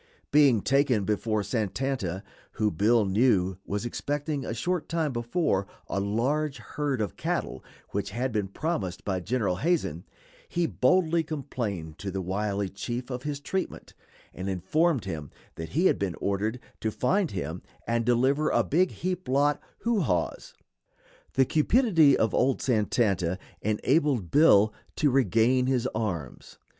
Being taken before Santanta, who Bill knew was expecting, a short time before, a large herd of cattle which had been promised by General Hazen, he boldly complained to the wily chief of his treatment, and informed him that he had been ordered to find him and deliver "a big heap lot who haws." The cupidity of old Santanta enabled Bill to regain his arms.